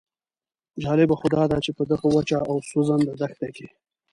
جالبه خو داده چې په دغه وچه او سوځنده دښته کې.